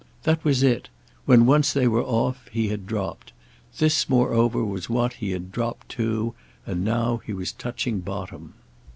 That was it—when once they were off he had dropped; this moreover was what he had dropped to, and now he was touching bottom.